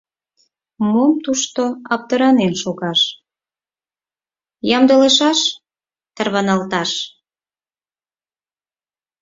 Мом тушто аптыранен шогаш: ямдылышаш, тарваналташ!